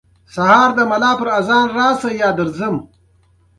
په افغانستان کې دځنګل حاصلات د خلکو د اعتقاداتو سره تړاو لري.